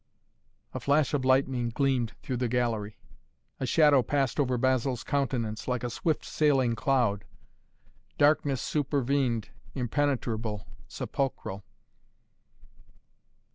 A flash of lightning gleamed through the gallery. A shadow passed over Basil's countenance, like a swift sailing cloud. Darkness supervened, impenetrable, sepulchral.